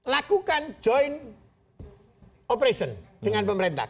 lakukan joint operation dengan pemerintah